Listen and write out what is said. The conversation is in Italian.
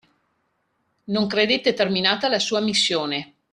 Non credette terminata la sua missione.